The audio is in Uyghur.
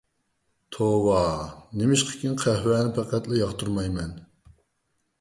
توۋا، نېمىشقىكىن قەھۋەنى پەقەتلا ياقتۇرمايمەن.